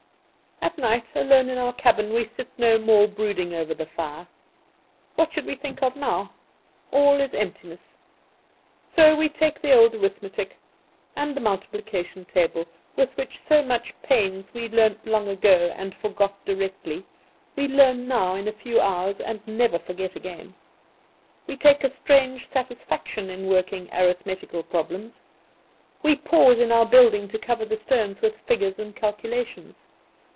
At night, alone in our cabin, we sit no more brooding over the fire. What should we think of now? All is emptiness. So we take the old arithmetic; and the multiplication table, which with so much pains we learnt long ago and forgot directly, we learn now in a few hours, and never forget again. We take a strange satisfaction in working arithmetical problems. We pause in our building to cover the stones with figures and calculations.